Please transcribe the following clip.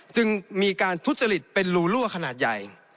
จึงมีการทุจริตเป็นรูรั่วขนาดใหญ่